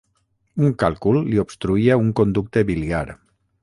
Un càlcul li obstruïa un conducte biliar.